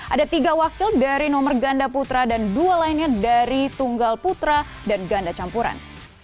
ada tiga wakil dari nomor ganda putra dan dua lainnya dari tunggal putra dan ganda campuran